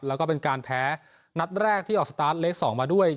แล้วก็เป็นการแพ้นัดแรกที่ออกสตาร์ทเลข๒มาด้วย